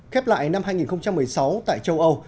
khép lại năm hai nghìn một mươi sáu tại châu âu